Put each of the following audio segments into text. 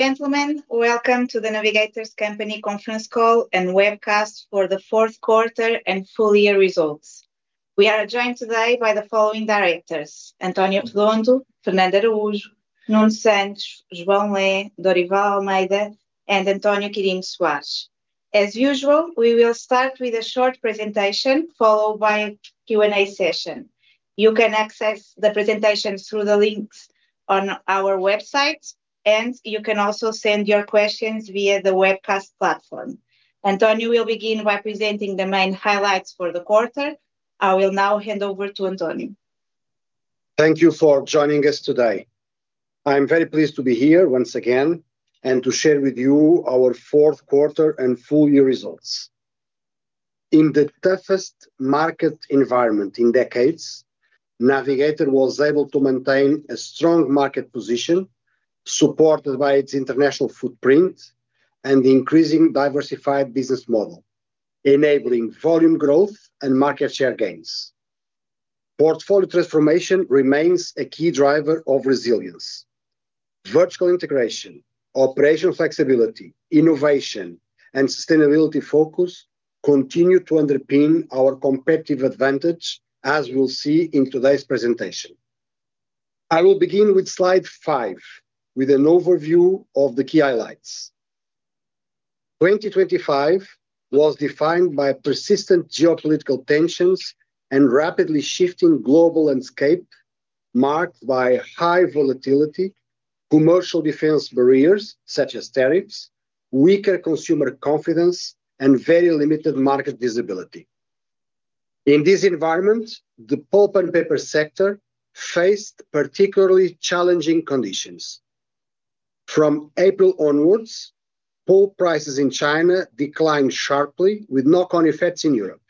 Gentlemen, welcome to The Navigator Company conference call and webcast for the fourth quarter and full year results. We are joined today by the following directors: António Redondo, Fernando Araújo, Nuno Santos, João Lé, Dorival Almeida and António Quirino Soares. As usual, we will start with a short presentation, followed by a Q&A session. You can access the presentation through the links on our website. You can also send your questions via the webcast platform. António will begin by presenting the main highlights for the quarter. I will now hand over to António. Thank you for joining us today. I'm very pleased to be here once again and to share with you our fourth quarter and full year results. In the toughest market environment in decades, Navigator was able to maintain a strong market position, supported by its international footprint and the increasing diversified business model, enabling volume growth and market share gains. Portfolio transformation remains a key driver of resilience. Virtual integration, operational flexibility, innovation, and sustainability focus continue to underpin our competitive advantage, as we'll see in today's presentation. I will begin with slide five, with an overview of the key highlights. 2025 was defined by persistent geopolitical tensions and rapidly shifting global landscape, marked by high volatility, commercial defense barriers, such as tariffs, weaker consumer confidence, and very limited market visibility. In this environment, the pulp and paper sector faced particularly challenging conditions. From April onwards, pulp prices in China declined sharply, with knock-on effects in Europe.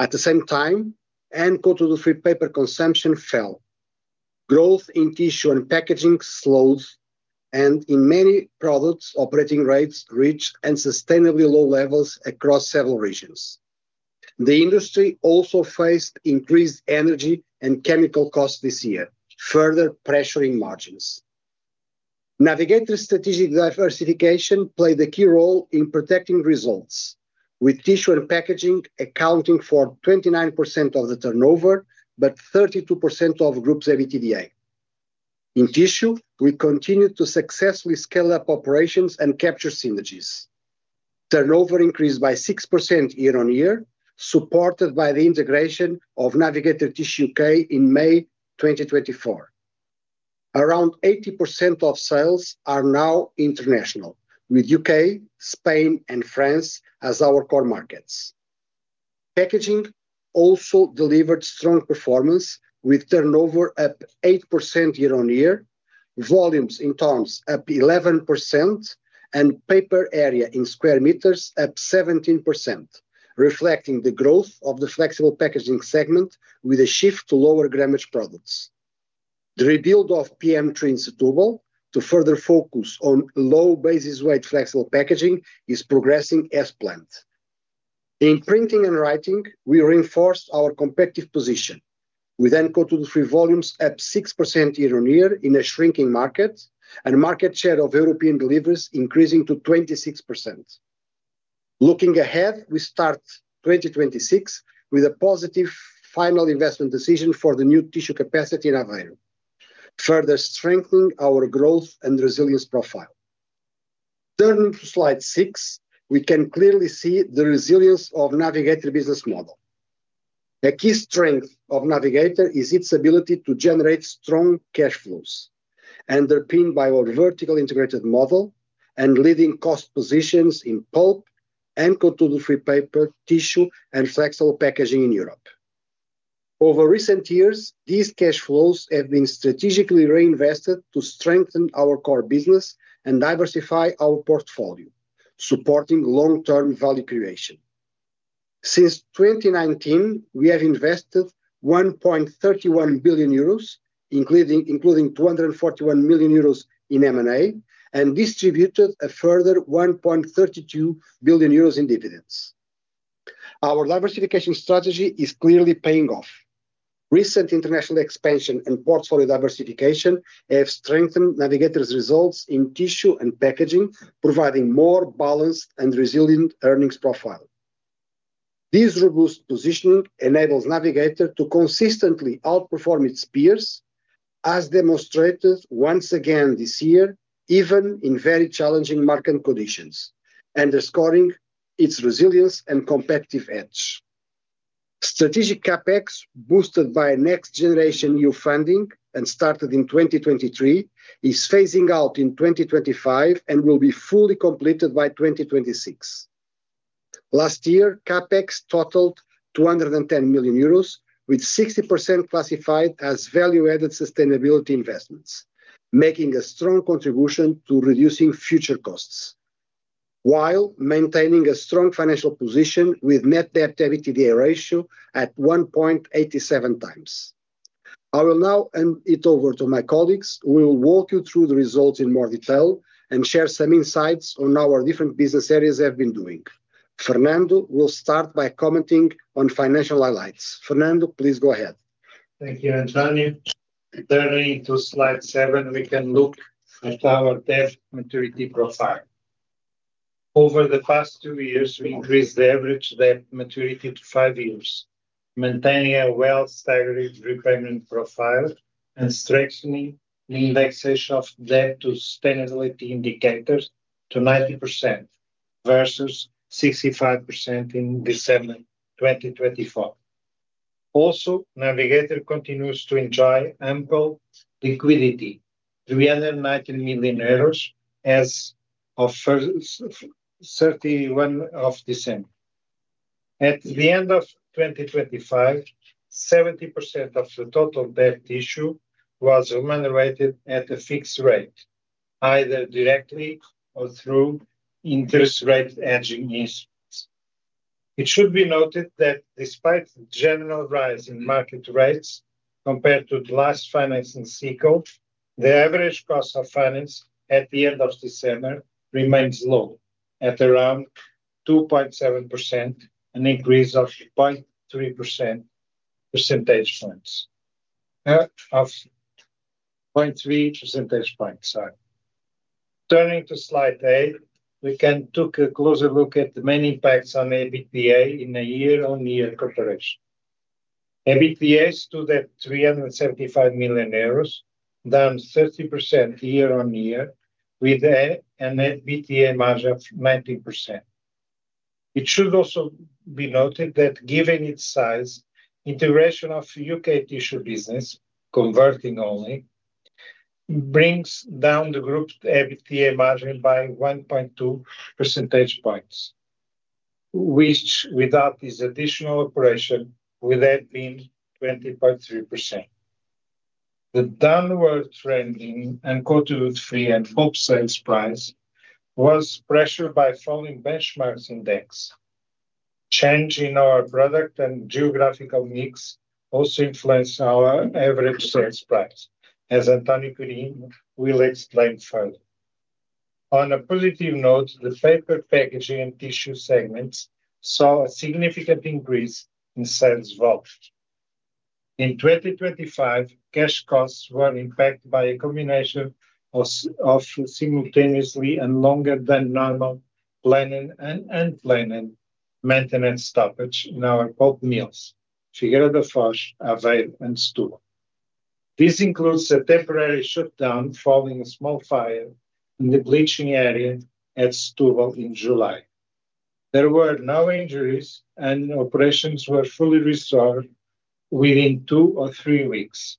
At the same time, uncoated woodfree paper consumption fell. Growth in tissue and packaging slowed, in many products, operating rates reached unsustainably low levels across several regions. The industry also faced increased energy and chemical costs this year, further pressuring margins. Navigator strategic diversification played a key role in protecting results, with tissue and packaging accounting for 29% of the turnover, but 32% of Group's EBITDA. In tissue, we continued to successfully scale up operations and capture synergies. Turnover increased by 6% year-over-year, supported by the integration of Navigator Tissue U.K. in May 2024. Around 80% of sales are now international, with U.K., Spain, and France as our core markets. Packaging also delivered strong performance, with turnover up 8% year-on-year, volumes in tons up 11%, and paper area in square meters up 17%, reflecting the growth of the flexible packaging segment with a shift to lower grammage products. The rebuild of PM3 in Setúbal to further focus on low basis weight flexible packaging is progressing as planned. In printing and writing, we reinforced our competitive position with Uncoated Woodfree volumes up 6% year-on-year in a shrinking market, and market share of European deliveries increasing to 26%. Looking ahead, we start 2026 with a positive final investment decision for the new tissue capacity in Aveiro, further strengthening our growth and resilience profile. Turning to slide six, we can clearly see the resilience of Navigator business model. A key strength of Navigator is its ability to generate strong cash flows, underpinned by our vertically integrated model and leading cost positions in pulp and uncoated woodfree paper, tissue, and flexible packaging in Europe. Over recent years, these cash flows have been strategically reinvested to strengthen our core business and diversify our portfolio, supporting long-term value creation. Since 2019, we have invested 1.31 billion euros, including 241 million euros in M&A, and distributed a further 1.32 billion euros in dividends. Our diversification strategy is clearly paying off. Recent international expansion and portfolio diversification have strengthened Navigator's results in tissue and packaging, providing more balanced and resilient earnings profile. This robust positioning enables Navigator to consistently outperform its peers, as demonstrated once again this year, even in very challenging market conditions, underscoring its resilience and competitive edge. Strategic CapEx, boosted by next generation new funding and started in 2023, is phasing out in 2025 and will be fully completed by 2026. Last year, CapEx totaled 210 million euros, with 60% classified as value-added sustainability investments, making a strong contribution to reducing future costs, while maintaining a strong financial position with net debt to EBITDA ratio at 1.87x. I will now hand it over to my colleagues, who will walk you through the results in more detail and share some insights on how our different business areas have been doing. Fernando will start by commenting on financial highlights. Fernando, please go ahead. Thank you, António. Turning to slide seven, we can look at our debt maturity profile. Over the past two years, we increased the average debt maturity to five years, maintaining a well staggered repayment profile and strengthening the indexation of debt to sustainability indicators to 90% versus 65% in December 2024. Navigator continues to enjoy ample liquidity, EUR 390 million as of 31 of December. At the end of 2025, 70% of the total debt issue was remunerated at a fixed rate, either directly or through interest rate hedging instruments. It should be noted that despite the general rise in market rates compared to the last finance in cycle, the average cost of finance at the end of December remains low, at around 2.7%, an increase of 0.3 percentage points. of 0.3 percentage points, sorry. Turning to slide eight, we can take a closer look at the main impacts on EBITDA in a year-on-year comparison. EBITDA stood at 375 million euros, down 30% year-on-year, with an EBITDA margin of 19%. It should also be noted that given its size, integration of Navigator Tissue U.K., converting only, brings down the group's EBITDA margin by 1.2 percentage points, which without this additional operation, would have been 20.3%. The downward trend in and 'unquote free and pulp sales price was pressured by falling benchmarks index. Change in our product and geographical mix also influenced our average sales price, as António Quirino will explain further. On a positive note, the paper packaging and tissue segments saw a significant increase in sales volume. In 2025, cash costs were impacted by a combination of simultaneously and longer than normal planning and planning maintenance stoppage in our pulp mills, Figueira da Foz, Aveiro and Cacia. This includes a temporary shutdown following a small fire in the bleaching area at Cacia in July. Operations were fully restored within two or three weeks.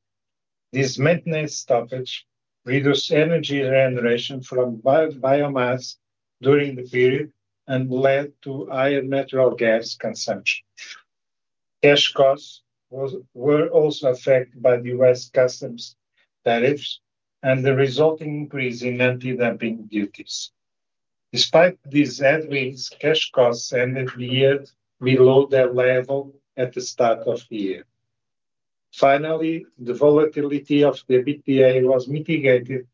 This maintenance stoppage reduced energy generation from biomass during the period and led to higher natural gas consumption. Cash costs were also affected by the U.S. customs tariffs and the resulting increase in anti-dumping duties. Despite these headwinds, cash costs ended the year below their level at the start of the year. Finally, the volatility of the EBITDA was mitigated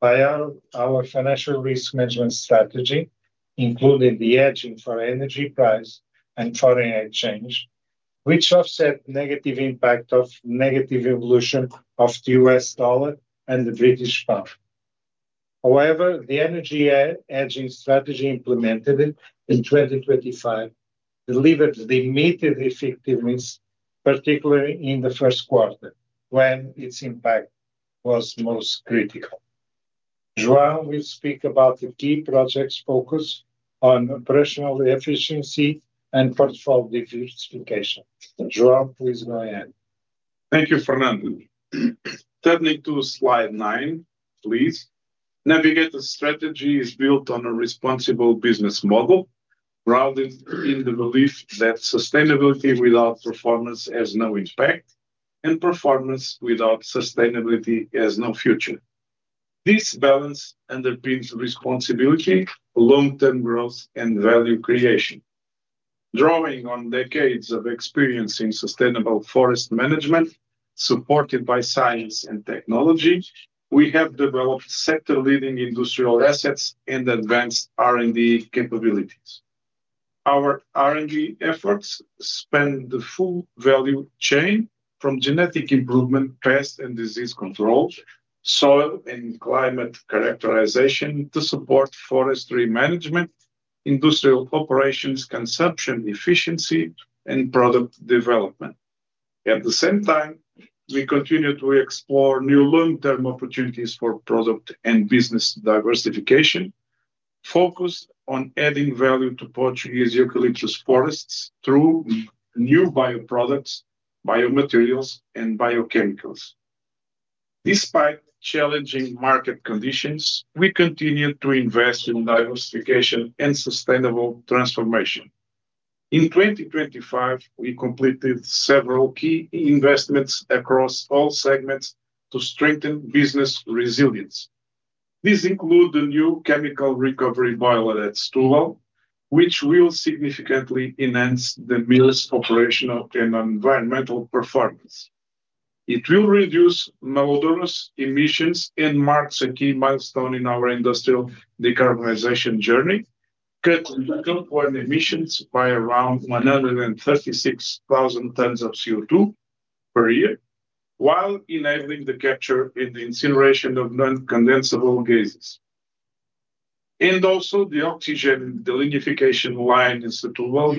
by our financial risk management strategy, including the hedging for energy price and foreign exchange, which offset negative impact of negative evolution of the U.S. dollar and the British pound. However, the energy hedging strategy implemented in 2025 delivered the immediate effectiveness, particularly in the first quarter, when its impact was most critical. João will speak about the key projects focused on operational efficiency and portfolio diversification. João, please go ahead. Thank you, Fernando. Turning to slide nine, please. Navigator's strategy is built on a responsible business model, grounded in the belief that sustainability without performance has no impact, and performance without sustainability has no future. This balance underpins responsibility, long-term growth, and value creation. Drawing on decades of experience in sustainable forest management, supported by science and technology, we have developed sector-leading industrial assets and advanced R&D capabilities. Our R&D efforts span the full value chain from genetic improvement, pest and disease control, soil and climate characterization to support forestry management, industrial operations, consumption efficiency, and product development. At the same time, we continue to explore new long-term opportunities for product and business diversification, focused on adding value to Portuguese eucalyptus forests through new bioproducts, biomaterials, and biochemicals. Despite challenging market conditions, we continue to invest in diversification and sustainable transformation. In 2025, we completed several key investments across all segments to strengthen business resilience. These include the new Chemical Recovery Boiler at Esposende, which will significantly enhance the mill's operational and environmental performance. It will reduce malodorous emissions and marks a key milestone in our industrial decarbonization journey, cutting carbon emissions by around 136,000 tons of CO2 per year, while enabling the capture in the incineration of Non-Condensable Gases. Also the Oxygen Delignification line in Setúbal,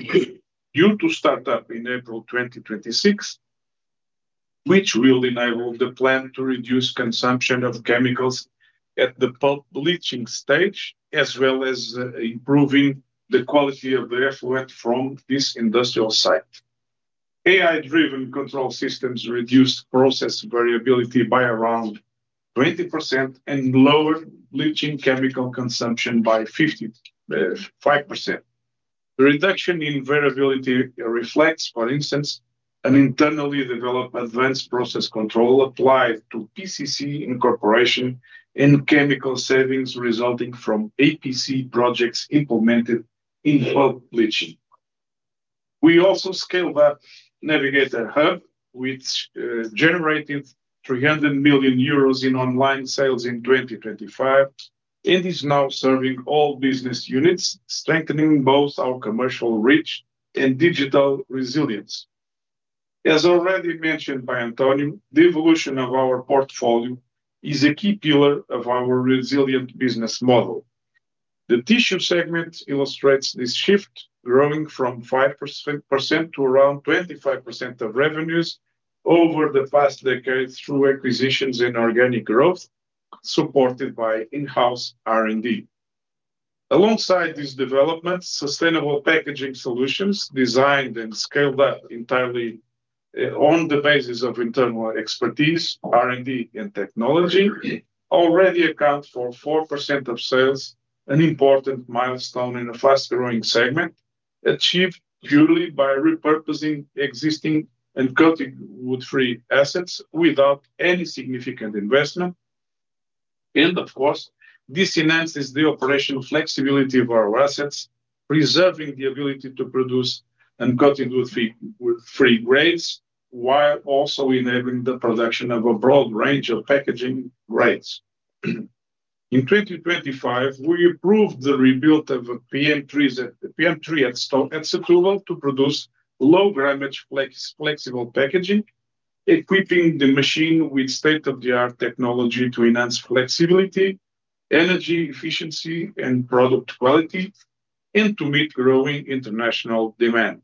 due to start up in April 2026, which will enable the plant to reduce consumption of chemicals at the pulp bleaching stage, as well as improving the quality of the effluent from this industrial site. AI-driven control systems reduce process variability by around 20% and lower bleaching chemical consumption by 55%. The reduction in variability reflects, for instance, an internally developed advanced process control applied to PCC incorporation and chemical savings resulting from APC projects implemented in pulp bleaching. We also scaled up Navigator Hub, which generated 300 million euros in online sales in 2025, and is now serving all business units, strengthening both our commercial reach and digital resilience. As already mentioned by António, the evolution of our portfolio is a key pillar of our resilient business model. The tissue segment illustrates this shift, growing from 5% to around 25% of revenues over the past decade through acquisitions and organic growth, supported by in-house R&D. Alongside these developments, sustainable packaging solutions designed and scaled up entirely on the basis of internal expertise, R&D and technology, already account for 4% of sales, an important milestone in a fast-growing segment, achieved purely by repurposing existing and cutting wood-free assets without any significant investment. This enhances the operational flexibility of our assets, preserving the ability to produce uncoated wood-free grades, while also enabling the production of a broad range of packaging grades. In 2025, we approved the rebuild of a PM3 at Setúbal to produce low-grammage flex, flexible packaging, equipping the machine with state-of-the-art technology to enhance flexibility, energy efficiency and product quality, and to meet growing international demand.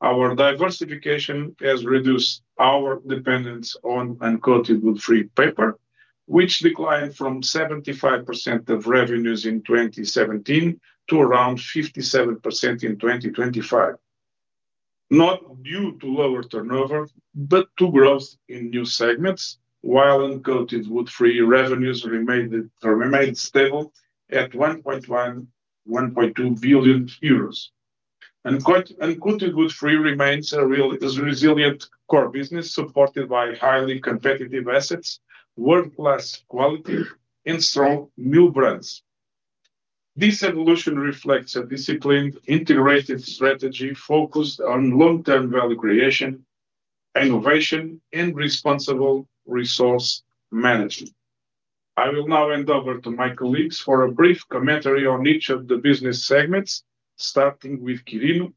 Our diversification has reduced our dependence on uncoated wood-free paper, which declined from 75% of revenues in 2017 to around 57% in 2025. Not due to lower turnover, but to growth in new segments, while Uncoated Woodfree revenues remained stable at 1.1-1.2 billion euros. Uncoated Woodfree remains a real, a resilient core business, supported by highly competitive assets, world-class quality, and strong mill brands. This evolution reflects a disciplined, integrated strategy focused on long-term value creation, innovation, and responsible resource management. I will now hand over to my colleagues for a brief commentary on each of the business segments, starting with Quirino,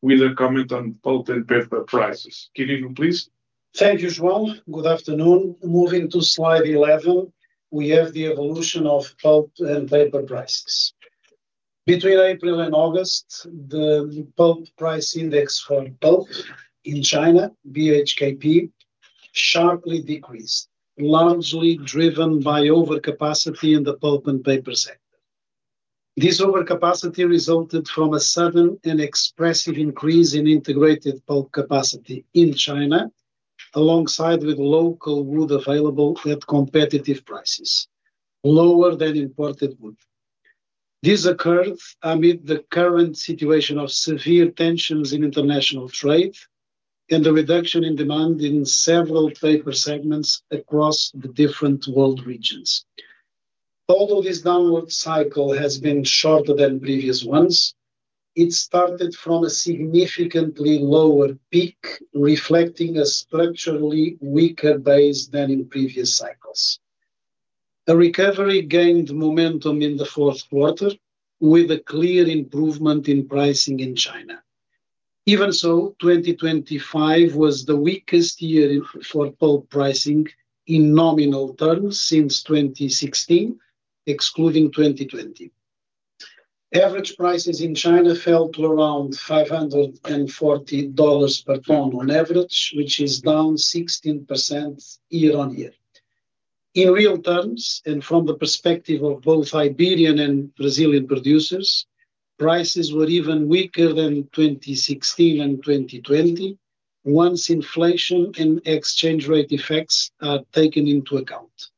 with a comment on pulp and paper prices. Quirino, please. Thank you, João. Good afternoon. Moving to slide 11, we have the evolution of pulp and paper prices. Between April and August, the pulp price index for pulp in China, BHKP, sharply decreased, largely driven by overcapacity in the pulp and paper sector. This overcapacity resulted from a sudden and expressive increase in integrated pulp capacity in China, alongside with local wood available at competitive prices, lower than imported wood. This occurred amid the current situation of severe tensions in international trade and the reduction in demand in several paper segments across the different world regions. Although this downward cycle has been shorter than previous ones, it started from a significantly lower peak, reflecting a structurally weaker base than in previous cycles. A recovery gained momentum in the fourth quarter, with a clear improvement in pricing in China. Even so, 2025 was the weakest year for pulp pricing in nominal terms since 2016, excluding 2020. Average prices in China fell to around $540 per ton on average, which is down 16% year-on-year. In real terms, and from the perspective of both Iberian and Brazilian producers, prices were even weaker than 2016 and 2020, once inflation and exchange rate effects are taken into account,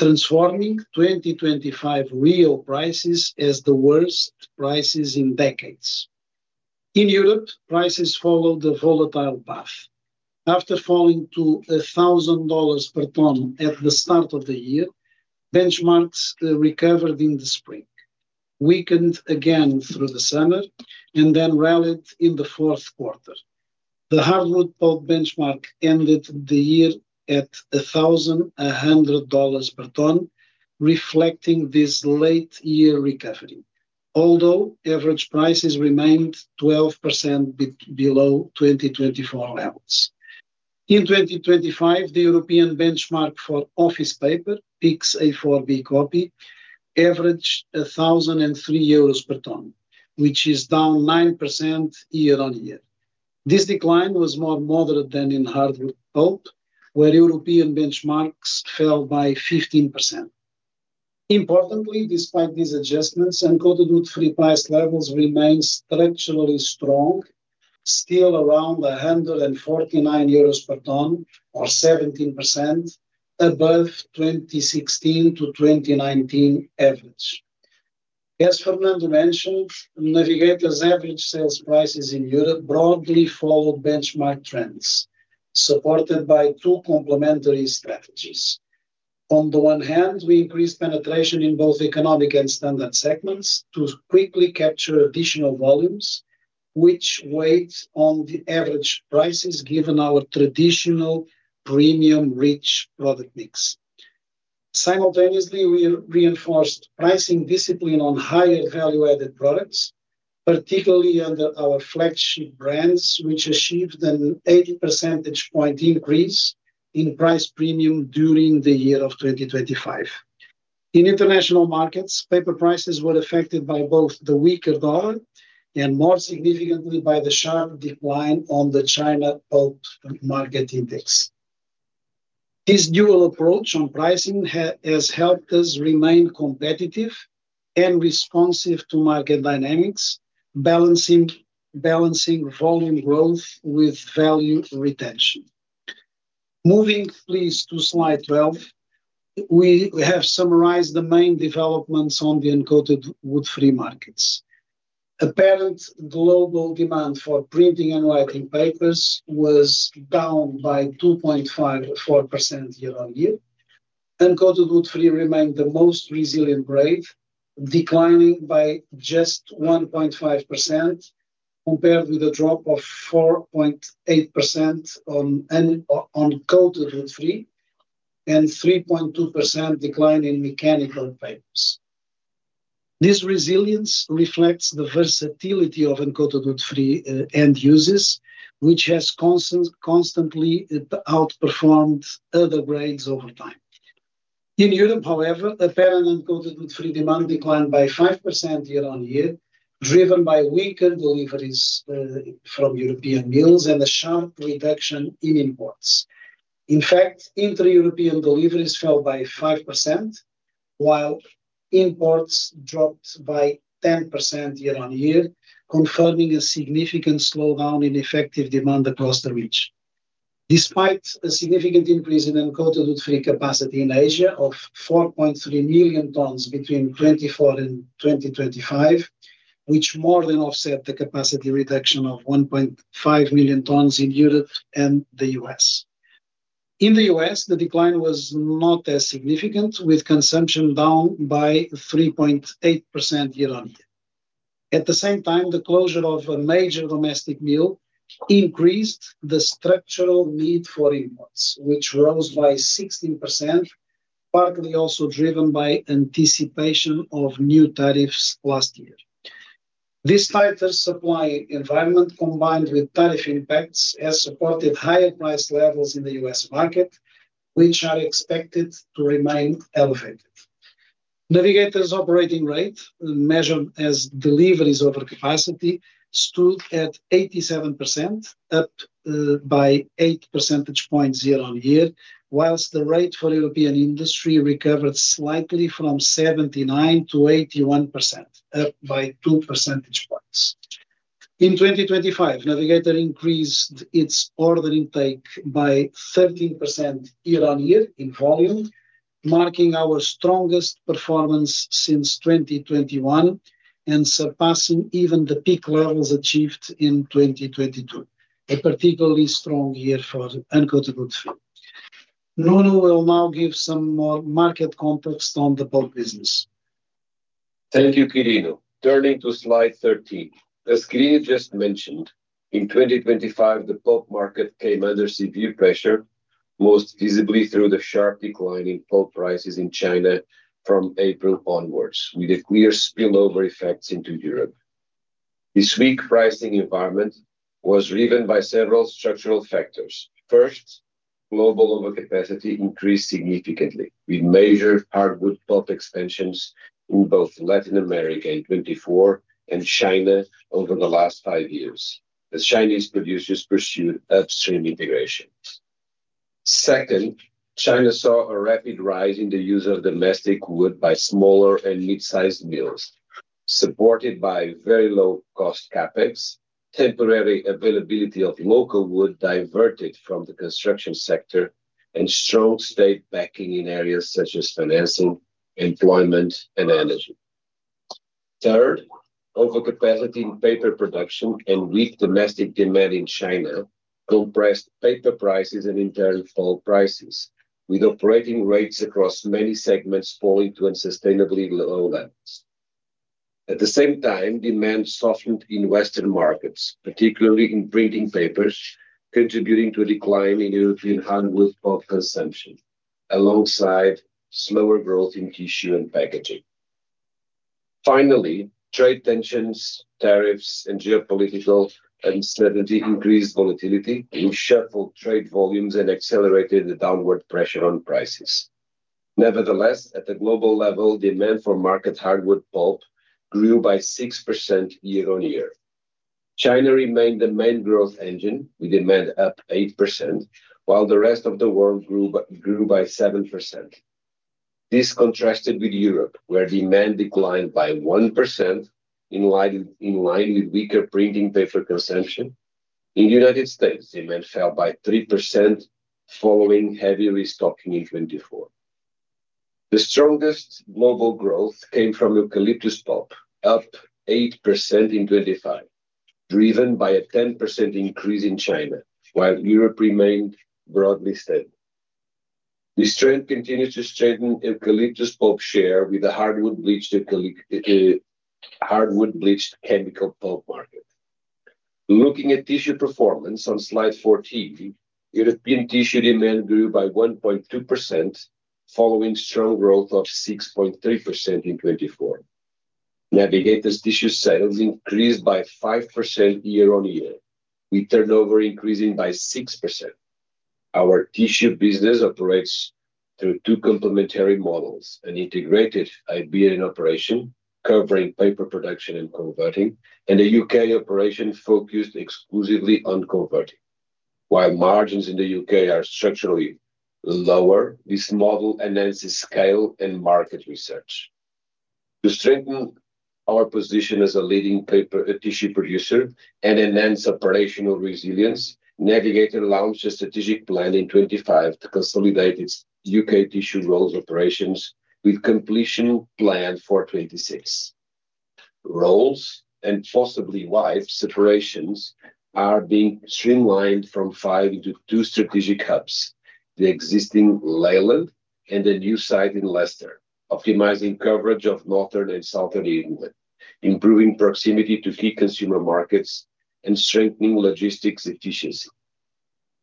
transforming 2025 real prices as the worst prices in decades. In Europe, prices followed a volatile path. After falling to $1,000 per ton at the start of the year, benchmarks recovered in the spring, weakened again through the summer, and then rallied in the fourth quarter. The hardwood pulp benchmark ended the year at $1,100 per ton, reflecting this late year recovery, although average prices remained 12% below 2024 levels. In 2025, the European benchmark for office paper PIX A4 B-copy, average 1,003 euros per ton, which is down 9% year-on-year. This decline was more moderate than in hardwood pulp, where European benchmarks fell by 15%. Importantly, despite these adjustments, uncoated woodfree price levels remain structurally strong, still around 149 euros per ton or 17% above 2016-2019 average. As Fernando mentioned, Navigator's average sales prices in Europe broadly followed benchmark trends, supported by two complementary strategies. On the one hand, we increased penetration in both economic and standard segments to quickly capture additional volumes, which weighs on the average prices, given our traditional premium rich product mix. Simultaneously, we reinforced pricing discipline on higher value-added products, particularly under our flagship brands, which achieved an 80 percentage point increase in price premium during the year of 2025. In international markets, paper prices were affected by both the weaker dollar and, more significantly, by the sharp decline on the China pulp market index. This dual approach on pricing has helped us remain competitive and responsive to market dynamics, balancing volume growth with value retention. Moving please to Slide 12, we have summarized the main developments on the uncoated woodfree markets. Apparent global demand for printing and writing papers was down by 2.54% year-on-year. Uncoated Woodfree remained the most resilient grade, declining by just 1.5%, compared with a drop of 4.8% on Uncoated Woodfree, and 3.2% decline in mechanical papers. This resilience reflects the versatility of Uncoated Woodfree end uses, which has constantly outperformed other grades over time. In Europe, however, the parent Uncoated Woodfree demand declined by 5% year-on-year, driven by weaker deliveries from European mills and a sharp reduction in imports. Inter-European deliveries fell by 5%, while imports dropped by 10% year-on-year, confirming a significant slowdown in effective demand across the region. Despite a significant increase in uncoated woodfree capacity in Asia of 4.3 million tons between 2024 and 2025, which more than offset the capacity reduction of 1.5 million tons in Europe and the U.S. In the U.S., the decline was not as significant, with consumption down by 3.8% year-on-year. At the same time, the closure of a major domestic mill increased the structural need for imports, which rose by 16%, partly also driven by anticipation of new tariffs last year. This tighter supply environment, combined with tariff impacts, has supported higher price levels in the U.S. market, which are expected to remain elevated. Navigator's operating rate, measured as deliveries over capacity, stood at 87%, up by eight percentage points year-on-year, whilst the rate for European industry recovered slightly from 79%-81%, up by two percentage points. In 2025, Navigator increased its order intake by 13% year-on-year in volume, marking our strongest performance since 2021 and surpassing even the peak levels achieved in 2022, a particularly strong year for uncoated woodfree. Nuno will now give some more market context on the pulp business. Thank you, Quirino. Turning to Slide 13. As Quirino just mentioned, in 2025, the pulp market came under severe pressure, most visibly through the sharp decline in pulp prices in China from April onwards, with clear spillover effects into Europe. This weak pricing environment was driven by several structural factors. First, global overcapacity increased significantly, with major hardwood pulp expansions in both Latin America in 2024 and China over the last five years, as Chinese producers pursued upstream integrations. Second, China saw a rapid rise in the use of domestic wood by smaller and mid-sized mills, supported by very low-cost CapEx, temporary availability of local wood diverted from the construction sector, and strong state backing in areas such as financing, employment, and energy. Third... Overcapacity in paper production and weak domestic demand in China compressed paper prices and in turn, pulp prices, with operating rates across many segments falling to unsustainably low levels. At the same time, demand softened in western markets, particularly in printing papers, contributing to a decline in European hardwood pulp consumption, alongside slower growth in tissue and packaging. Trade tensions, tariffs, and geopolitical uncertainty increased volatility in shuffled trade volumes and accelerated the downward pressure on prices. At the global level, demand for market hardwood pulp grew by 6% year-on-year. China remained the main growth engine, with demand up 8%, while the rest of the world grew by 7%. This contrasted with Europe, where demand declined by 1%, in line with weaker printing paper consumption. In the United States, demand fell by 3% following heavy restocking in 2024. The strongest global growth came from eucalyptus pulp, up 8% in 2025, driven by a 10% increase in China, while Europe remained broadly steady. This trend continues to strengthen eucalyptus pulp share with the hardwood bleached chemical pulp market. Looking at tissue performance on slide 14, European tissue demand grew by 1.2%, following strong growth of 6.3% in 2024. Navigator's tissue sales increased by 5% year-on-year, with turnover increasing by 6%. Our tissue business operates through two complementary models: an integrated Iberian operation, covering paper production and converting, and a U.K. operation focused exclusively on converting. While margins in the U.K. are structurally lower, this model enhances scale and market research. To strengthen our position as a leading paper, tissue producer and enhance operational resilience, Navigator launched a strategic plan in 2025 to consolidate its U.K. tissue rolls operations, with completion planned for 2026. Rolls and possibly wide separations are being streamlined from five into two strategic hubs: the existing Leyland and a new site in Leicester, optimizing coverage of northern and southern England, improving proximity to key consumer markets, and strengthening logistics efficiency.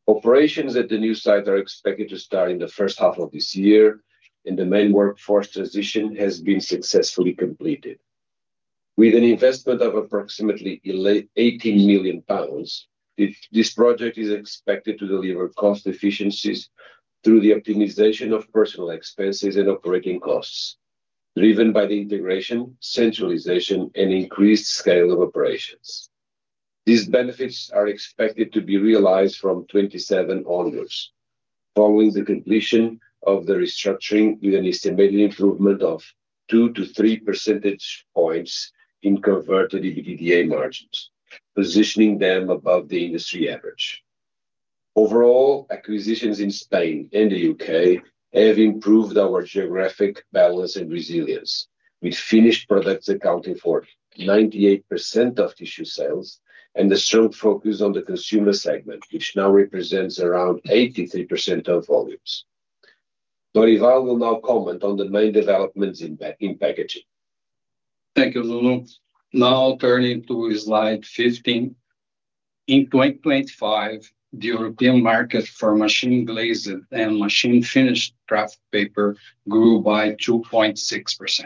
Operations at the new site are expected to start in the first half of this year, and the main workforce transition has been successfully completed. With an investment of approximately 18 million pounds, This project is expected to deliver cost efficiencies through the optimization of personal expenses and operating costs, driven by the integration, centralization, and increased scale of operations. These benefits are expected to be realized from 2027 onwards, following the completion of the restructuring, with an estimated improvement of two to three percentage points in converted EBITDA margins, positioning them above the industry average. Acquisitions in Spain and the U.K. have improved our geographic balance and resilience, with finished products accounting for 98% of tissue sales and a strong focus on the consumer segment, which now represents around 83% of volumes. Dorival will now comment on the main developments in packaging. Thank you, Nuno. Now turning to slide 15. In 2025, the European market for machine glazed and machine finished kraft paper grew by 2.6%.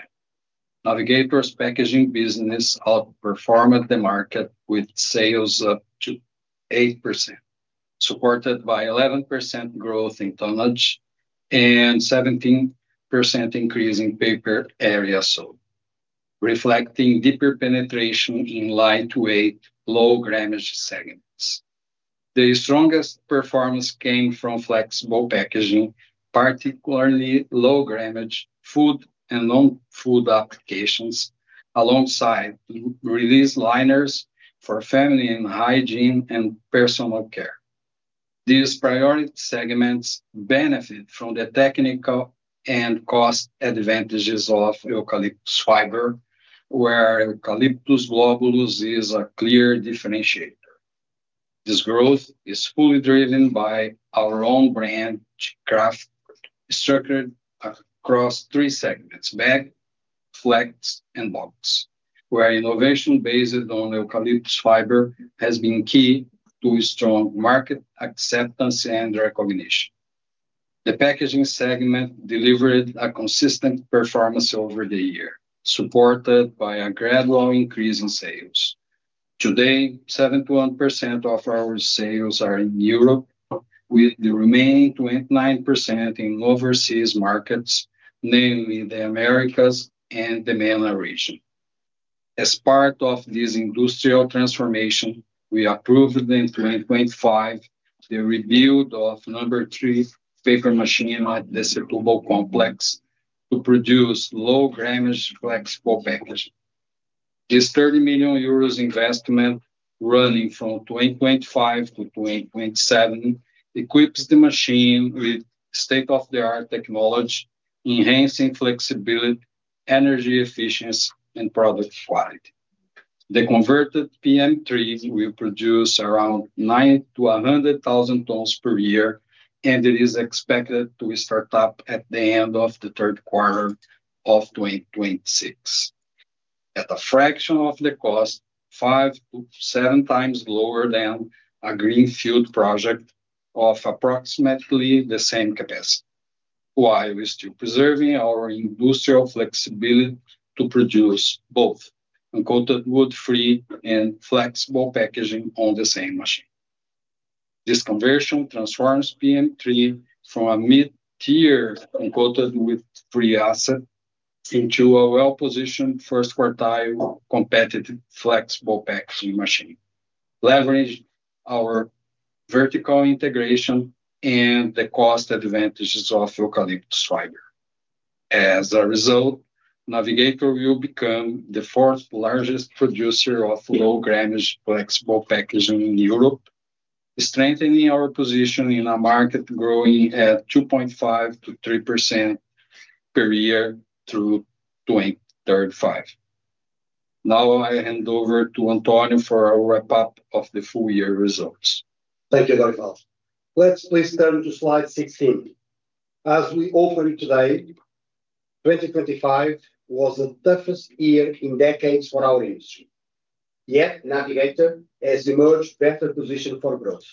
Navigator's packaging business outperformed the market, with sales up to 8%, supported by 11% growth in tonnage and 17% increase in paper area sold, reflecting deeper penetration in lightweight, low-grammage segments. The strongest performance came from flexible packaging, particularly low-grammage food and non-food applications, alongside Release Liners for family and hygiene and personal care. These priority segments benefit from the technical and cost advantages of eucalyptus fiber, where Eucalyptus globulus is a clear differentiator. This growth is fully driven by our own brand, Kraft, structured across three segments: bag, flex, and box, where innovation based on eucalyptus fiber has been key to a strong market acceptance and recognition. The packaging segment delivered a consistent performance over the year, supported by a gradual increase in sales. Today, 71% of our sales are in Europe, with the remaining 29% in overseas markets, namely the Americas and the MENA region. As part of this industrial transformation, we approved in 2025, the rebuild of number three paper machine at the Circulo complex to produce low-grammage flexible packaging. This 30 million euros investment, running from 2025-2027, equips the machine with state-of-the-art technology enhancing flexibility, energy efficiency, and product quality. The converted PM3 will produce around 90,000-100,000 tons per year, and it is expected to start up at the end of the third quarter of 2026. At a fraction of the cost, five to seven times lower than a greenfield project of approximately the same capacity, while we're still preserving our industrial flexibility to produce both Uncoated Woodfree and flexible packaging on the same machine. This conversion transforms PM3 from a mid-tier uncoated woodfree asset into a well-positioned first quartile competitive, flexible packaging machine, leverage our vertical integration and the cost advantages of eucalyptus fiber. As a result, Navigator will become the fourth largest producer of low-grammage flexible packaging in Europe, strengthening our position in a market growing at 2.5% to 3% per year through 2035. I hand over to António for a wrap-up of the full year results. Thank you, Dorival. Let's please turn to slide 16. As we opened today, 2025 was the toughest year in decades for our industry, yet Navigator has emerged better positioned for growth.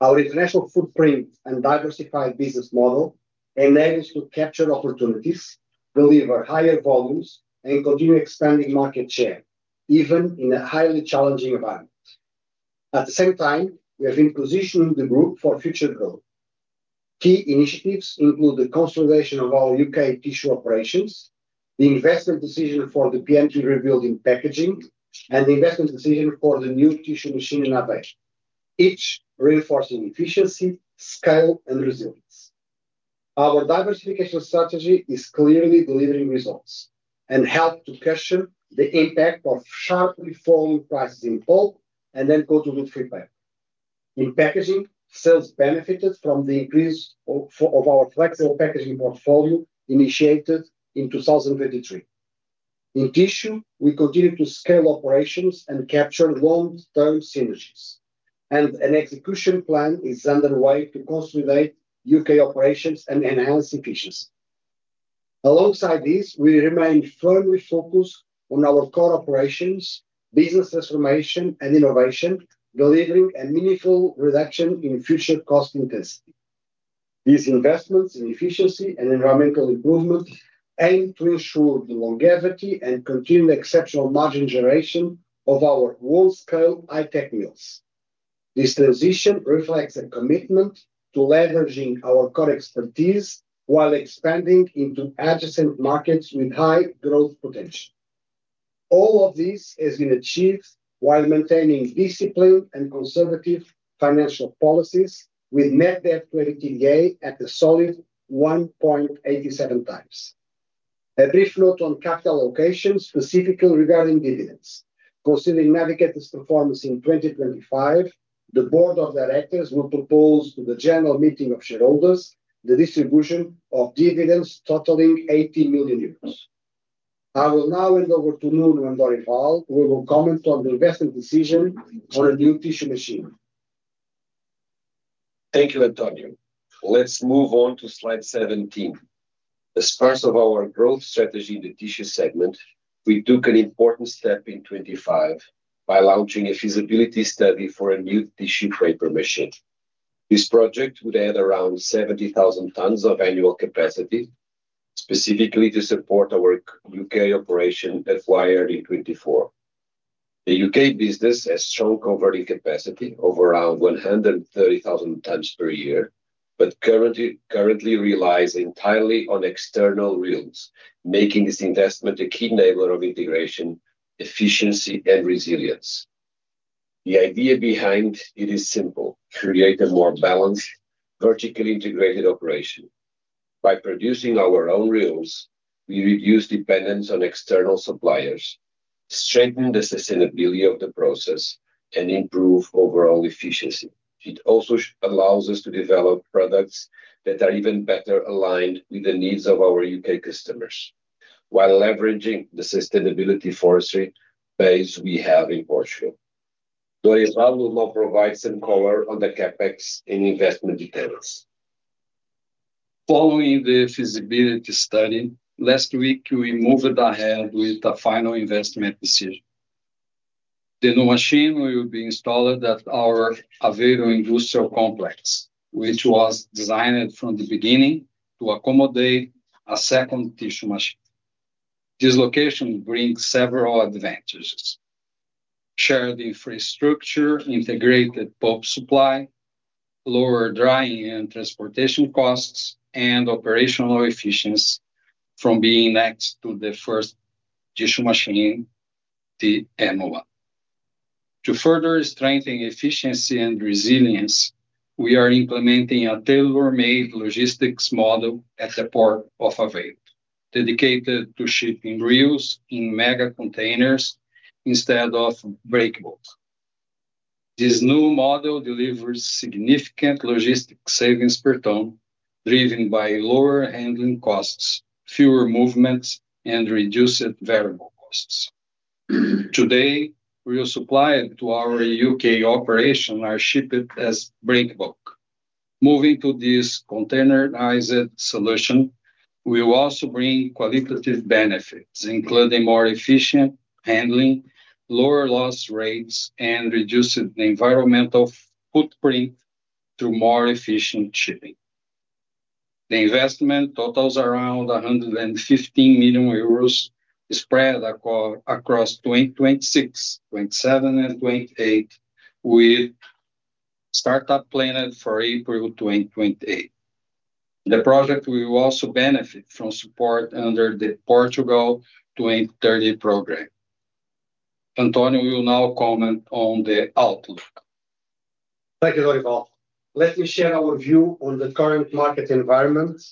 Our international footprint and diversified business model enables to capture opportunities, deliver higher volumes, and continue expanding market share, even in a highly challenging environment. At the same time, we have been positioning the group for future growth. Key initiatives include the consolidation of our U.K. tissue operations, the investment decision for the PM3 rebuild in packaging, and the investment decision for the new tissue machine innovation, each reinforcing efficiency, scale, and resilience. Our diversification strategy is clearly delivering results and help to cushion the impact of sharply falling prices in pulp and then go to the free pack. In packaging, sales benefited from the increase of our flexible packaging portfolio initiated in 2023. In tissue, we continue to scale operations and capture long-term synergies. An execution plan is underway to consolidate U.K. operations and enhance efficiency. Alongside this, we remain firmly focused on our core operations, business transformation, and innovation, delivering a meaningful reduction in future cost intensity. These investments in efficiency and environmental improvement aim to ensure the longevity and continued exceptional margin generation of our world-scale high-tech mills. This transition reflects a commitment to leveraging our core expertise while expanding into adjacent markets with high growth potential. All of this has been achieved while maintaining disciplined and conservative financial policies, with net debt to EBITDA at a solid 1.87x. A brief note on capital allocation, specifically regarding dividends. Considering Navigator's performance in 2025, the board of directors will propose to the general meeting of shareholders the distribution of dividends totaling 80 million euros. I will now hand over to Nuno and Dorival, who will comment on the investment decision on a new tissue machine. Thank you, António. Let's move on to slide 17. As part of our growth strategy in the tissue segment, we took an important step in 25 by launching a feasibility study for a new tissue paper machine. This project would add around 70,000 tons of annual capacity, specifically to support our U.K. operation acquired in 2024. The U.K. business has strong converting capacity of around 130,000 tons per year, currently relies entirely on external reels, making this investment a key enabler of integration, efficiency, and resilience. The idea behind it is simple: create a more balanced, vertically integrated operation. By producing our own reels, we reduce dependence on external suppliers, strengthen the sustainability of the process, and improve overall efficiency. It also allows us to develop products that are even better aligned with the needs of our U.K. customers, while leveraging the sustainability forestry base we have in Portugal. Dorival will now provide some color on the CapEx and investment details. Following the feasibility study, last week, we moved ahead with the final investment decision. The new machine will be installed at our Aveiro Industrial Complex, which was designed from the beginning to accommodate a second tissue machine. This location brings several advantages: shared infrastructure, integrated pulp supply, lower drying and transportation costs, and operational efficiency from being next to the first tissue machine, the MOA. To further strengthen efficiency and resilience, we are implementing a tailor-made logistics model at the port of Aveiro, dedicated to shipping reels in mega containers instead of break bulk. This new model delivers significant logistic savings per ton, driven by lower handling costs, fewer movements, and reduced variable costs. Today, we are supplying to our U.K. operation are shipped as break bulk. Moving to this containerized solution will also bring qualitative benefits, including more efficient handling, lower loss rates, and reducing the environmental footprint through more efficient shipping. The investment totals around 115 million euros, spread across 2026, 2027, and 2028, with startup planned for April 2028. The project will also benefit from support under the Portugal 2030 program. António will now comment on the outlook. Thank you, Dorival. Let me share our view on the current market environment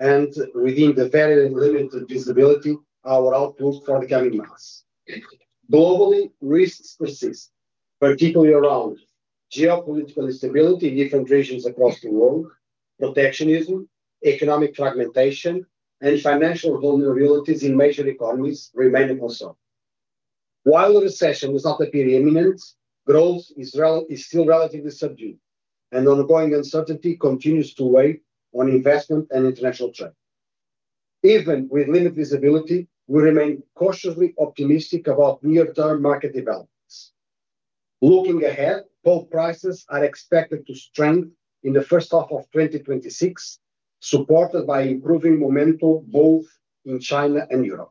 and within the very limited visibility, our outlook for the coming months. Globally, risks persist, particularly around geopolitical instability in different regions across the world, protectionism, economic fragmentation, and financial vulnerabilities in major economies remain a concern. While a recession does not appear imminent, growth is still relatively subdued, and ongoing uncertainty continues to weigh on investment and international trade. Even with limited visibility, we remain cautiously optimistic about near-term market developments. Looking ahead, pulp prices are expected to strengthen in the first half of 2026, supported by improving momentum both in China and Europe.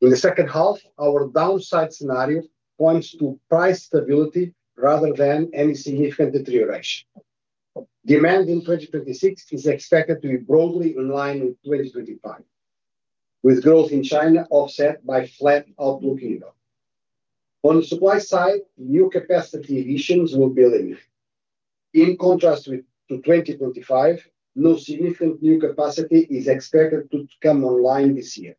In the second half, our downside scenario points to price stability rather than any significant deterioration. Demand in 2026 is expected to be broadly in line with 2025, with growth in China offset by flat outlook in Europe. On the supply side, new capacity additions will be limited. In contrast to 2025, no significant new capacity is expected to come online this year,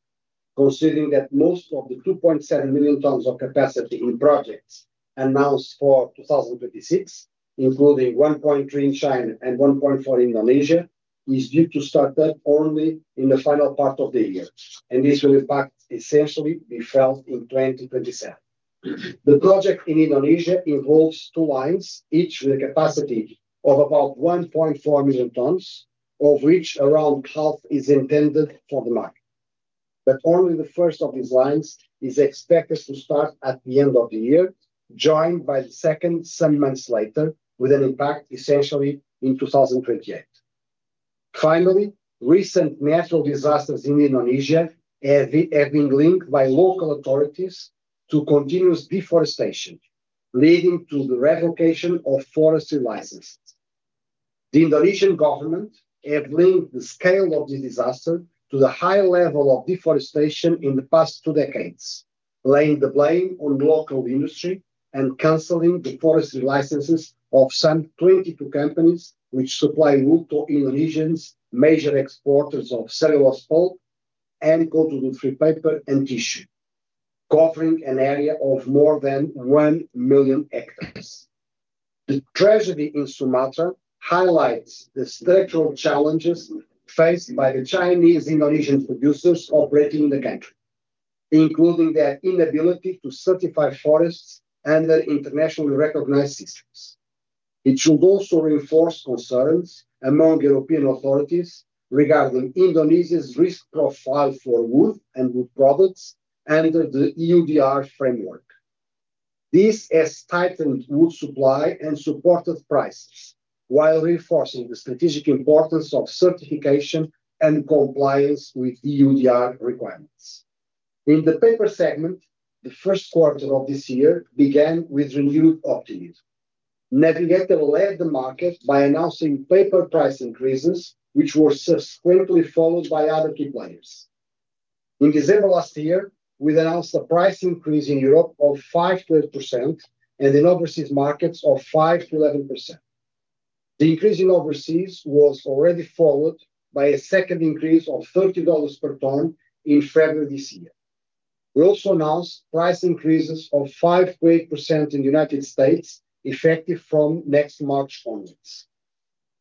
considering that most of the 2.7 million tons of capacity in projects announced for 2026, including 1.3 in China and 1.4 in Indonesia, is due to start up only in the final part of the year, and this will impact essentially be felt in 2027. The project in Indonesia involves two lines, each with a capacity of about 1.4 million tons, of which around half is intended for the market. Only the first of these lines is expected to start at the end of the year, joined by the second some months later, with an impact essentially in 2028. Finally, recent natural disasters in Indonesia have been linked by local authorities to continuous deforestation, leading to the revocation of forestry licenses. The Indonesian government have linked the scale of the disaster to the high level of deforestation in the past two decades, laying the blame on local industry and canceling the forestry licenses of some 22 companies, which supply wood to Indonesia's major exporters of cellulose pulp and coated free paper and tissue, covering an area of more than 1 million hectares. The tragedy in Sumatra highlights the structural challenges faced by the Chinese Indonesian producers operating in the country, including their inability to certify forests under internationally recognized systems. It should also reinforce concerns among European authorities regarding Indonesia's risk profile for wood and wood products under the EUDR framework. This has tightened wood supply and supported prices, while reinforcing the strategic importance of certification and compliance with EUDR requirements. In the paper segment, the first quarter of this year began with renewed optimism. Navigator led the market by announcing paper price increases, which were subsequently followed by other key players. In December last year, we announced a price increase in Europe of 5% and in overseas markets of 5%-11%. The increase in overseas was already followed by a second increase of $30 per ton in February this year. We also announced price increases of 5%-8% in the United States, effective from next March onwards.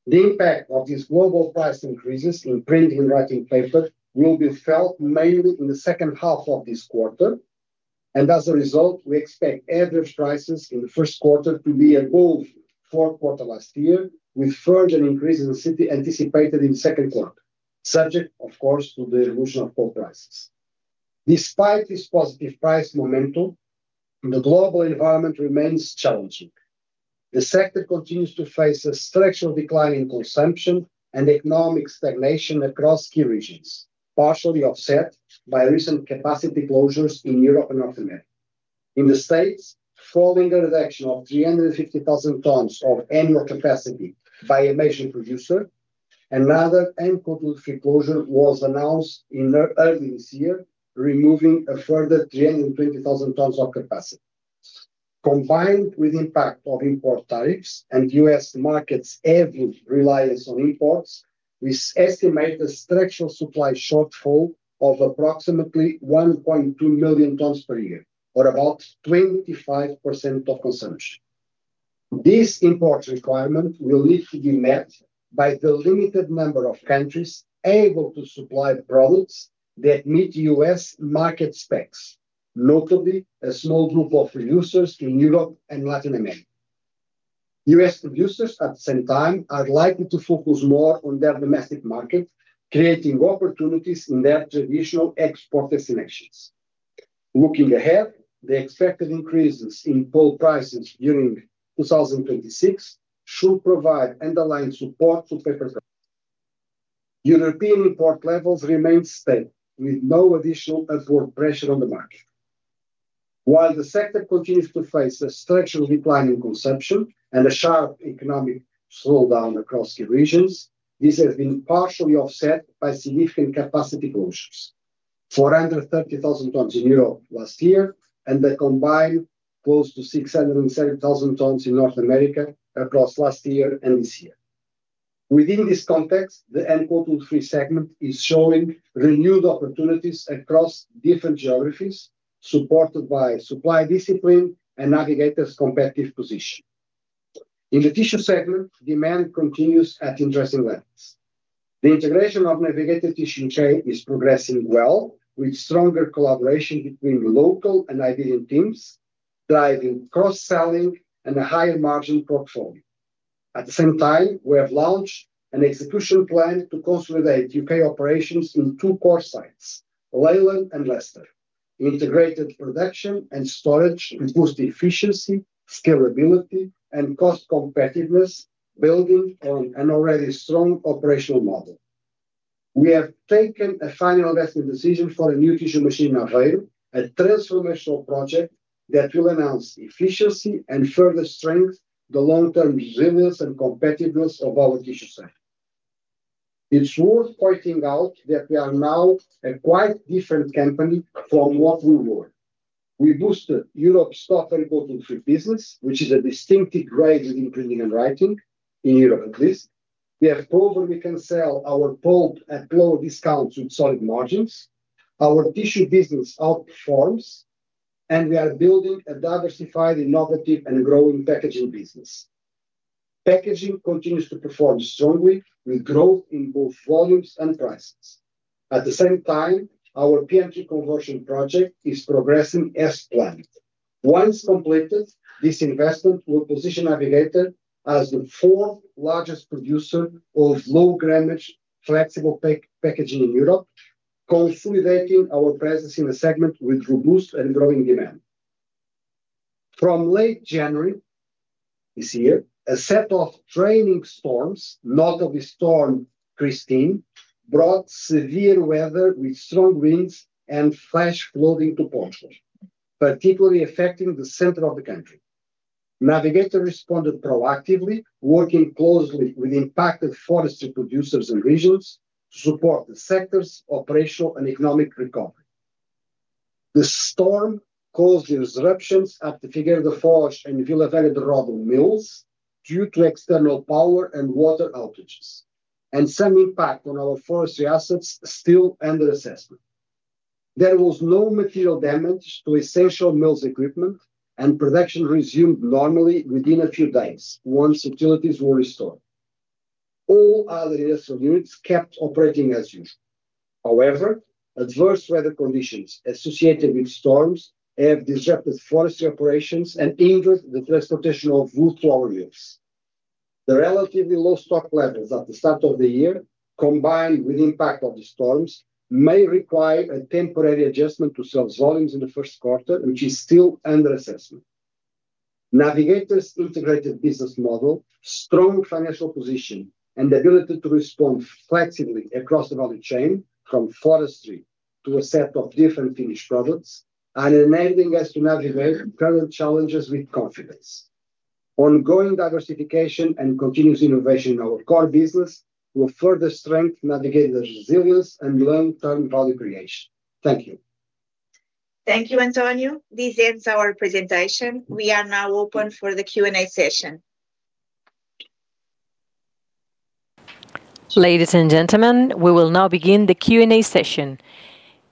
The impact of these global price increases in print and writing paper will be felt mainly in the second half of this quarter. As a result, we expect average prices in the first quarter to be above fourth quarter last year, with further increases anticipated in second quarter, subject, of course, to the evolution of pulp prices. Despite this positive price momentum, the global environment remains challenging. The sector continues to face a structural decline in consumption and economic stagnation across key regions, partially offset by recent capacity closures in Europe and North America. In the States, following a reduction of 350,000 tons of annual capacity by a major producer, another N coated free closure was announced early this year, removing a further 320,000 tons of capacity. Combined with impact of import tariffs and U.S. market's average reliance on imports. We estimate the structural supply shortfall of approximately 1.2 million tons per year, or about 25% of consumption. This import requirement will need to be met by the limited number of countries able to supply the products that meet U.S. market specs, notably a small group of producers in Europe and Latin America. U.S. producers, at the same time, are likely to focus more on their domestic market, creating opportunities in their traditional export destinations. Looking ahead, the expected increases in pulp prices during 2026 should provide underlying support to paper. European import levels remain steady, with no additional upward pressure on the market. While the sector continues to face a structural decline in consumption and a sharp economic slowdown across key regions, this has been partially offset by significant capacity closures. 430,000 tons in Europe last year, and a combined close to 607,000 tons in North America across last year and this year. Within this context, the end coated free segment is showing renewed opportunities across different geographies, supported by supply discipline and Navigator's competitive position. In the tissue segment, demand continues at interesting levels. The integration of Navigator Tissue chain is progressing well, with stronger collaboration between local and Iberian teams, driving cross-selling and a higher margin portfolio. At the same time, we have launched an execution plan to consolidate U.K. operations in two core sites, Leyland and Leicester. Integrated production and storage will boost efficiency, scalability, and cost competitiveness, building on an already strong operational model. We have taken a final investment decision for a new tissue machine, Aveiro, a transformational project that will enhance efficiency and further strength, the long-term resilience and competitiveness of our tissue site. It's worth pointing out that we are now a quite different company from what we were. We boosted Europe's stock and coated free business, which is a distinctive grade in printing and writing, in Europe, at least. We have proven we can sell our pulp at low discounts with solid margins. Our tissue business outperforms. We are building a diversified, innovative, and growing packaging business. Packaging continues to perform strongly, with growth in both volumes and prices. At the same time, our P&G conversion project is progressing as planned. Once completed, this investment will position Navigator as the fourth largest producer of low-grammage flexible packaging in Europe, consolidating our presence in the segment with robust and growing demand. From late January this year, a set of a series of storms, notably Storm Ciaran, brought severe weather with strong winds and flash flooding to Portugal, particularly affecting the center of the country. Navigator responded proactively, working closely with impacted forestry producers and regions to support the sector's operational and economic recovery. The storm caused disruptions at the Figueira da Foz and Vila Nova de Famalicão mills due to external power and water outages, and some impact on our forestry assets still under assessment. There was no material damage to essential mills equipment, and production resumed normally within a few days once utilities were restored. All other units kept operating as usual. Adverse weather conditions associated with storms have disrupted forestry operations and hindered the transportation of wood raw materials. The relatively low stock levels at the start of the year, combined with impact of the storms, may require a temporary adjustment to sales volumes in the first quarter, which is still under assessment. Navigator's integrated business model, strong financial position, and ability to respond flexibly across the value chain, from forestry to a set of different finished products, are enabling us to navigate current challenges with confidence. Ongoing diversification and continuous innovation in our core business will further strengthen Navigator's resilience and long-term value creation. Thank you. Thank you, António. This ends our presentation. We are now open for the Q&A session. Ladies and gentlemen, we will now begin the Q&A session.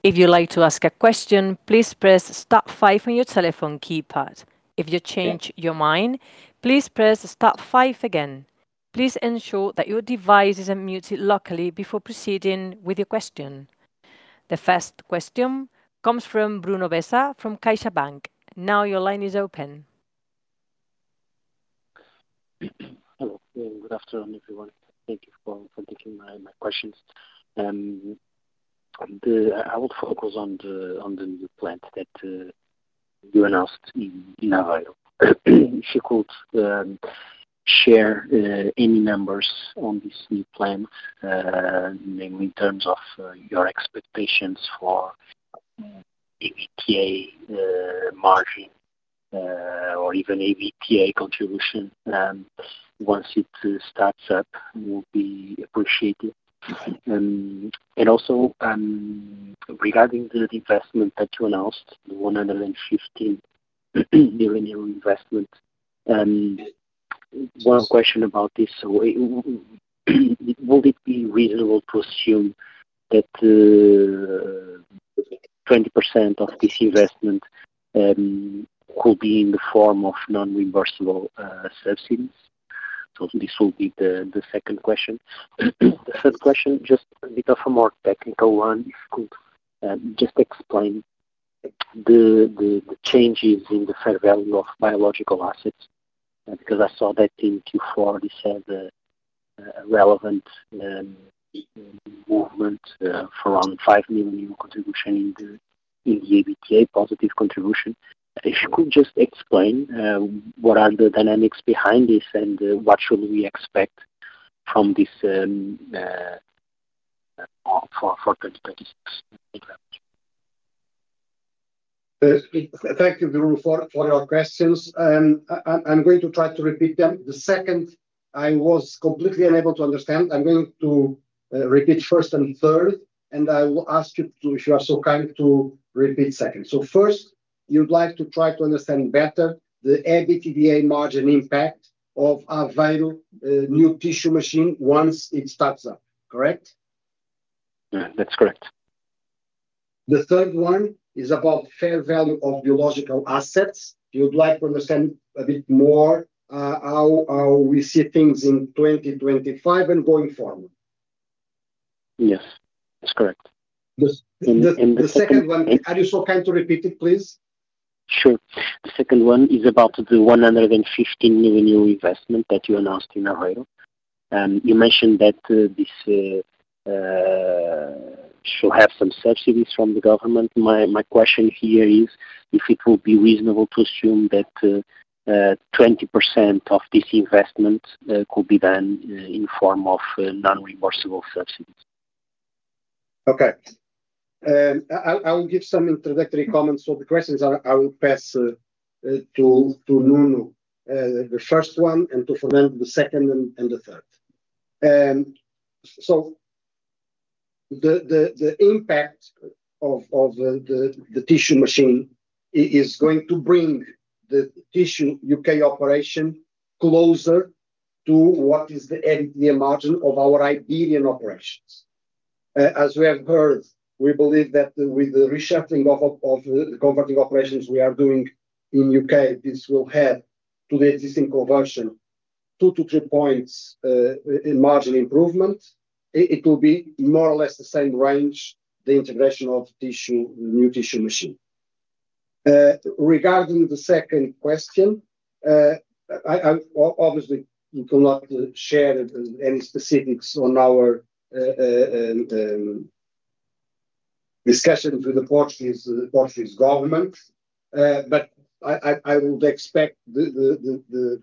If you'd like to ask a question, please press star five on your telephone keypad. If you change your mind, please press star five again. Please ensure that your device isn't muted locally before proceeding with your question. The first question comes from Bruno Bessa from CaixaBank. Now your line is open. Hello, good afternoon, everyone. Thank you for taking my questions. I will focus on the new plant that you announced in Aveiro. If you could share any numbers on this new plant, namely in terms of your expectations for EBITDA margin or even EBITDA contribution once it starts up, will be appreciated. Also, regarding the investment that you announced, the 150 million euro investment. One question about this. Would it be reasonable to assume that 20% of this investment could be in the form of non-reimbursable subsidies? This will be the second question. The third question, just a bit of a more technical one. If you could just explain the changes in the fair value of biological assets, because I saw that in Q4, this had a relevant movement, for around 5 million contribution in the ABTA positive contribution. If you could just explain, what are the dynamics behind this, and what should we expect from this, for 2026? Thank you. Thank you, Bruno, for your questions. I'm going to try to repeat them. The second, I was completely unable to understand. I'm going to repeat first and third, and I will ask you to, if you are so kind, to repeat second. First, you'd like to try to understand better the EBITDA margin impact of Aveiro, new tissue machine once it starts up, correct? Yeah, that's correct. The third one is about fair value of biological assets. You'd like to understand a bit more, how we see things in 2025 and going forward. Yes, that's correct. The s- And the- The second one, are you so kind to repeat it, please? Sure. The second one is about the 115 million investment that you announced in Aveiro. you mentioned that, this should have some subsidies from the government. My question here is, if it will be reasonable to assume that, 20% of this investment, could be done, in form of, non-reimbursable subsidies? Okay. I will give some introductory comments for the questions, and I will pass to Nuno, the first one, and to Fernando, the second and the third. The impact of the tissue machine is going to bring the tissue U.K. operation closer to what is the EBITDA margin of our Iberian operations. As we have heard, we believe that with the reshaping of the converting operations we are doing in U.K., this will add to the existing conversion two to three points in margin improvement. It will be more or less the same range, the integration of tissue, new tissue machine. Regarding the second question, I obviously, we cannot share it, any specifics on our discussions with the Portuguese government. I would expect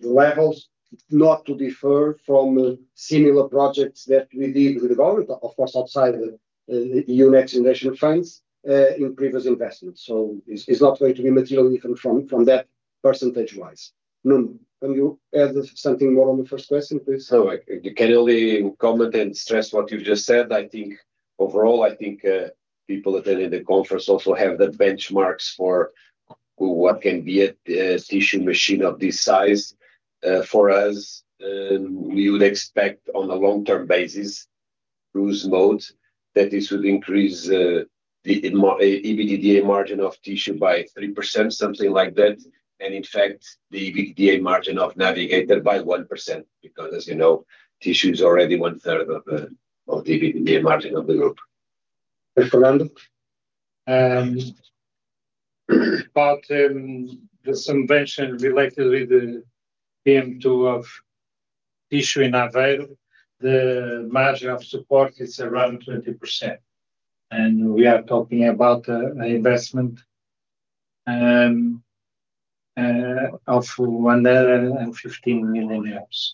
the levels not to differ from similar projects that we did with the government, of course, outside the UN extension funds, in previous investments. It's not going to be materially different from that, percentage-wise. Nuno, can you add something more on the first question, please? I can only comment and stress what you've just said. I think overall, people attending the conference also have the benchmarks for what can be a tissue machine of this size. For us, we would expect on a long-term basis, cruise mode, that this would increase the EBITDA margin of tissue by 3%, something like that. In fact, the EBITDA margin of Navigator by 1%, because as you know, tissue is already one third of the EBITDA margin of the group. Fernando? About the convention related with the PM2 of tissue in Aveiro, the margin of support is around 20%, we are talking about an investment of 115 million euros.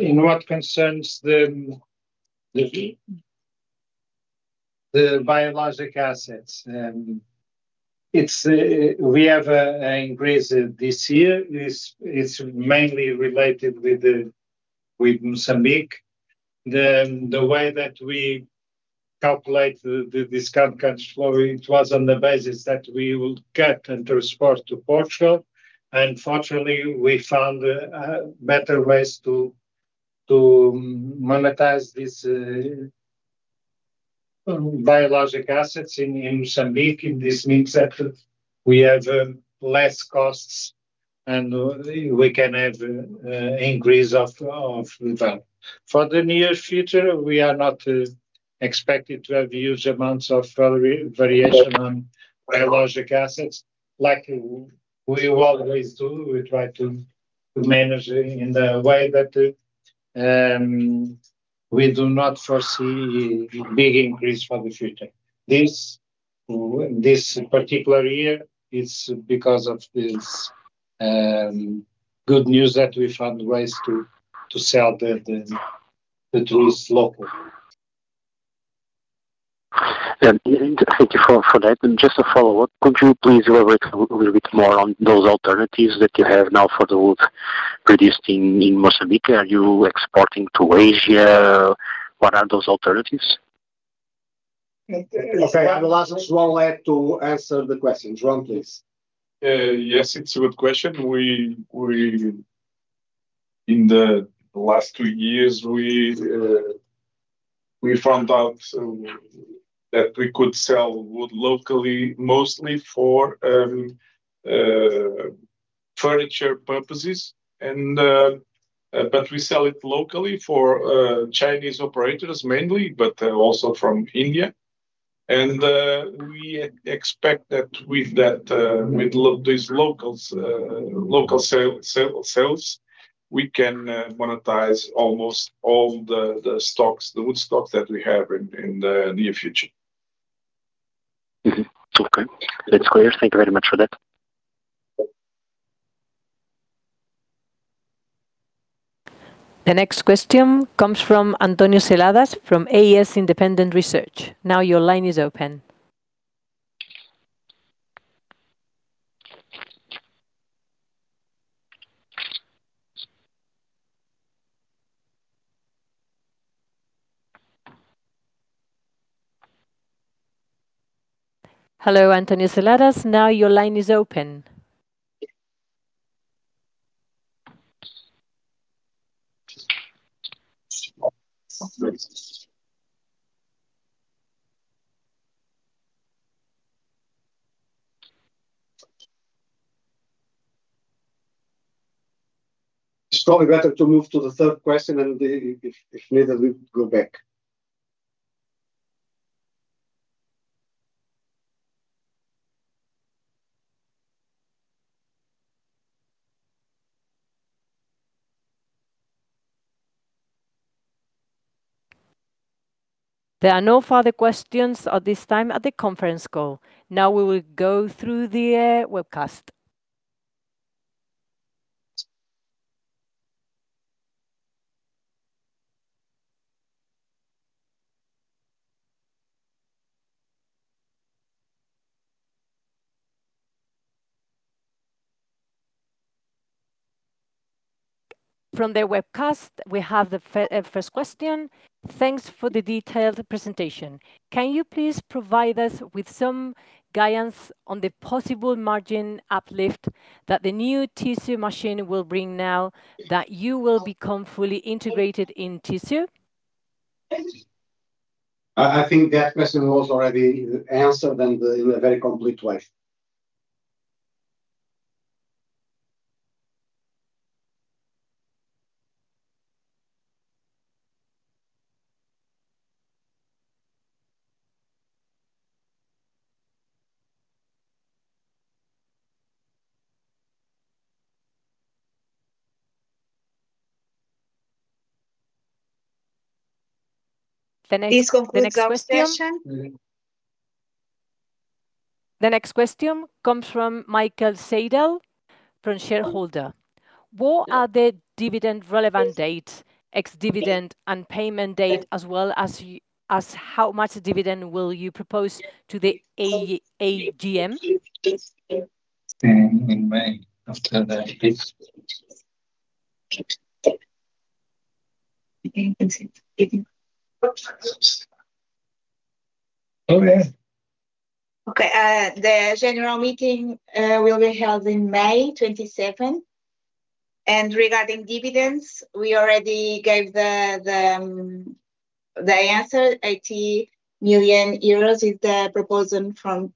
In what concerns the biologic assets, it's we have an increase this year. It's mainly related with Mozambique. The way that we calculate the discount cash flow, it was on the basis that we will get and transport to Portugal, fortunately, we found better ways to monetize this biologic assets in Mozambique. This means that we have less costs, we can have increase of value. For the near future, we are not expected to have huge amounts of variation on biologic assets. Like we always do, we try to manage it in the way that we do not foresee big increase for the future. This particular year is because of this good news that we found ways to sell the trees locally. Thank you for that. Just a follow-up. Could you please elaborate a little bit more on those alternatives that you have now for the wood produced in Mozambique? Are you exporting to Asia? What are those alternatives? Okay, I will ask João to answer the questions. João, please. Yes, it's a good question. We, in the last two years, we found out that we could sell wood locally, mostly for furniture purposes, but we sell it locally for Chinese operators mainly, but also from India. We expect that with that, with these locals, local sales, we can monetize almost all the stocks, the wood stocks that we have in the near future. Mm-hmm. Okay, that's clear. Thank you very much for that. The next question comes from António Seladas from AS Independent Research. Now your line is open. Hello, António Seladas, now your line is open. It's probably better to move to the third question. If needed, we go back. There are no further questions at this time at the conference call. Now we will go through the webcast. From the webcast, we have the first question: Thanks for the detailed presentation. Can you please provide us with some guidance on the possible margin uplift that the new tissue machine will bring now that you will become fully integrated in tissue? I think that question was already answered and in a very complete way. The next- This concludes our session. The next question comes from Michael Seidel, from shareholder. What are the dividend relevant dates, ex-dividend and payment date, as well as how much dividend will you propose to the AGM? In May, after the fifth. Okay. Okay, the general meeting will be held in May 27th, and regarding dividends, we already gave the answer, 80 million euros is the proposal from.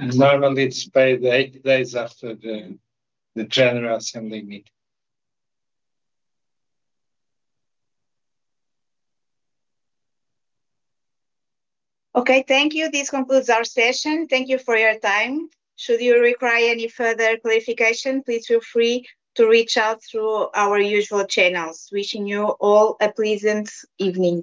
Normally it's paid 80 days after the general assembly meeting. Okay, thank you. This concludes our session. Thank you for your time. Should you require any further clarification, please feel free to reach out through our usual channels. Wishing you all a pleasant evening.